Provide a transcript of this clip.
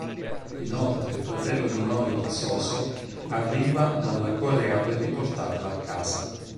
Inoltre, il fratello minore di So-so arriva dalla Corea per riportarla a casa.